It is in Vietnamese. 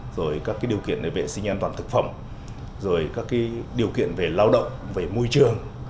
rồi các điều kiện về vệ sinh an toàn thực phẩm rồi các điều kiện về lao động về môi trường